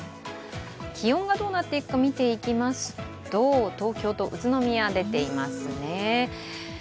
気温がどうなっていくか見ていきますと、東京と宇都宮、出ていますね。